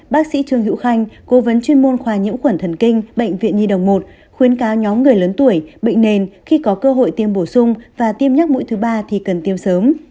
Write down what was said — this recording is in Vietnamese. bác sĩ trương hữu khanh cố vấn chuyên môn khoa nhiễm khuẩn thần kinh bệnh viện nhi đồng một khuyến cáo nhóm người lớn tuổi bệnh nền khi có cơ hội tiêm bổ sung và tiêm nhắc mũi thứ ba thì cần tiêm sớm